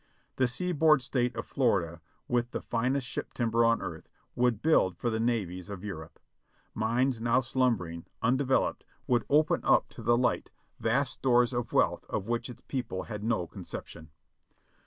The seaboard State of Florida, with the finest ship timber on earth, would build for the navies of Europe. Mines now slumbering, undeveloped, would open up to the light vast stores of wealth of which its people had no con ception.